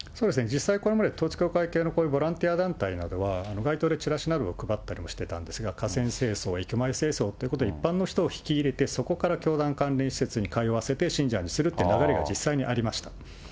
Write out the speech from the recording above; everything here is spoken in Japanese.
実際これまで統一教会系のこういうボランティア団体などは、街頭でチラシなども配ったりもしてたんですが、河川清掃、駅前清掃ということに一般の人を引き入れて、そこから教団関連施設に通わせて、信者にするという流れが実際にありました。